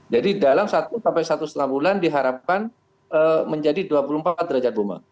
jadi dalam satu satu lima bulan diharapkan menjadi dua puluh empat derajat bome